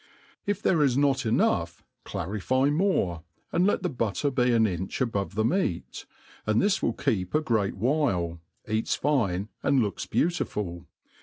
If there is not.endugh,. clarify more, and let the butter be an inch above the meat ;. and this will keep a great while, . tats fine, and looks beautiful.